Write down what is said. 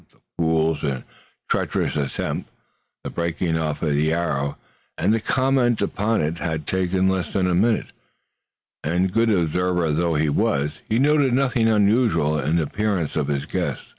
The foul and treacherous attempt, the breaking off of the arrow, and the comment upon it had taken less than a minute, and, good observer though he was, he noticed nothing unusual in the appearance of his guests.